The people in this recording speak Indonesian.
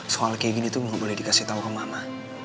soal kayak gini tuh gak boleh dikasih tahu ke mama